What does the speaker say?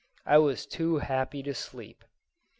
I was too happy to sleep.